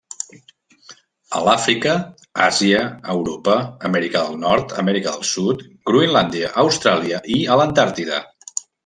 A l'Àfrica, Àsia, Europa, Amèrica del Nord, Amèrica del Sud, Groenlàndia, Austràlia i a l'Antàrtida.